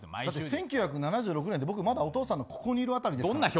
だって１９７６年って僕まだお父さんのここにいる辺りですから。